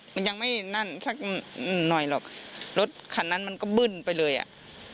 มันยังไม่นั่นสักหน่อยหรอกรถคันนั้นมันก็บึ้นไปเลยอ่ะ